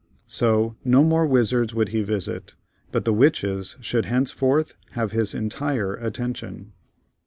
So, no more wizards would he visit, but the witches should henceforth have his entire attention.